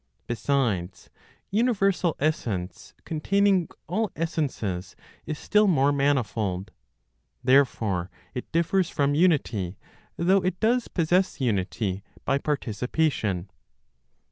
Besides, universal Essence, containing all essences, is still more manifold. Therefore it differs from unity; though it does possess unity by participation.